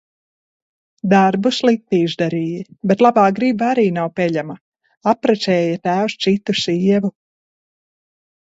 Darbu slikti izdarīji. Bet labā griba arī nav peļama. Apprecēja tēvs citu sievu...